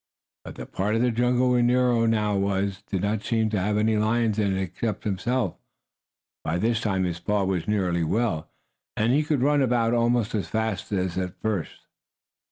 But the part of the jungle where Nero now was did not seem to have any lions in it except himself. By this time his paw was nearly well, and he could run about almost as fast as at first.